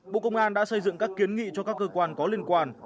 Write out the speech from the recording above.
bộ công an đã xây dựng các kiến nghị cho các cơ quan có liên quan